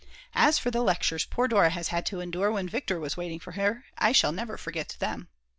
As for the lectures poor Dora had to endure when Viktor was waiting for her, I shall never forget them.